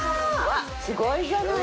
すごいじゃない。